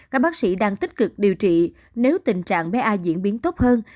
các bác sĩ đang tích cực điều trị nếu tình trạng bé ai diễn biến tốt hơn